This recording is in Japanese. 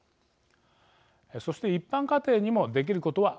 そして一般家庭にもできることはあります。